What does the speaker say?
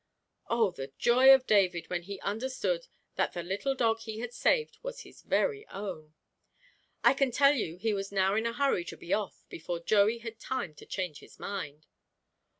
Oh, the joy of David when he understood that the little dog he had saved was his very own! I can tell you he was now in a hurry to be off before Joey had time to change his mind.